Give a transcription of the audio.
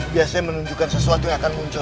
biasanya menunjukkan sesuatu yang akan muncul